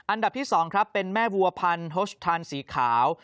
อันดับที่๒ครับเป็นแม่วัวพันธชทันสีขาว